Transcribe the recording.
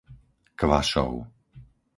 Kvašov